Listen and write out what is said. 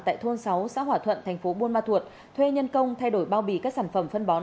tại thôn sáu xã hỏa thuận thành phố buôn ma thuột thuê nhân công thay đổi bao bì các sản phẩm phân bón